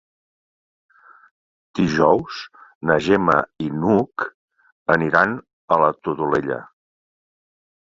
Dijous na Gemma i n'Hug aniran a la Todolella.